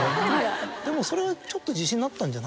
でもそれはちょっと自信になったんじゃ？